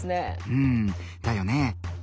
うんだよね。